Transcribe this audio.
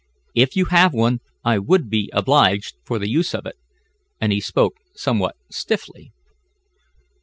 If you have one I would be obliged for the use of it," and he spoke somewhat stiffly.